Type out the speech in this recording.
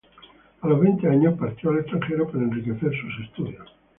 A los veinte años partió al extranjero para enriquecer sus estudios.